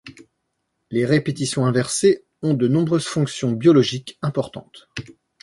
Les répétitions inversées ont de nombreuses fonctions biologiques importantes.